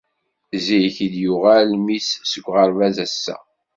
Zik i d-yuɣal mmi seg uɣerbaz ass-a.